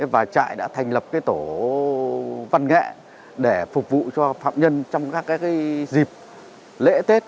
và trại đã thành lập tổ văn nghệ để phục vụ cho phạm nhân trong các dịp lễ tết